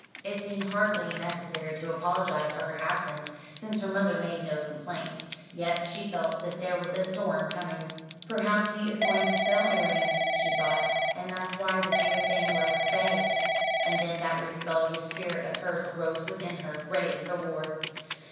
It seemed hardly necessary to apologise for her absence, since her mother made no complaint. Yet she felt that there was a storm coming. "Perhaps he is going to sell Arion," she thought, "and that's why the dear thing was 'fey.'" And then that rebellious spirit of hers arose within her, ready for war.